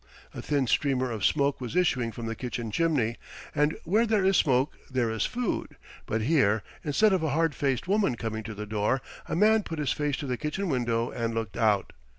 A thin streamer of smoke was issuing from the kitchen chimney, and where there is smoke there is food; but here, instead of a hard faced woman coming to the door, a man put his face to the kitchen window and looked out.